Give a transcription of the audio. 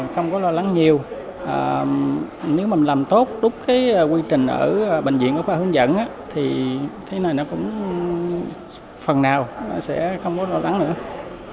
không có lo lắng nhiều nếu mình làm tốt đúng cái quy trình ở bệnh viện ở khoa hướng dẫn thì thế này nó cũng phần nào nó sẽ không có lo lắng nữa